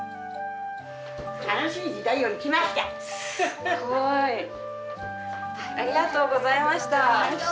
すごい。ありがとうございました。